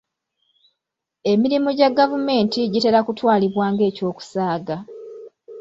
Emirimu gya gavumenti gitera kutwalibwa ng'eky'okusaaga.